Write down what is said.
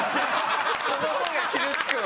その方が傷つくわ！